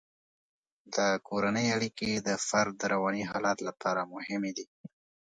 د کورنۍ اړیکې د فرد د رواني حالت لپاره مهمې دي.